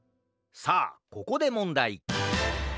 さあここでもんだい。